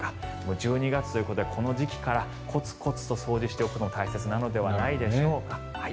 １２月ということでこの時期からコツコツと掃除をしておくこと大切なのではないでしょうか。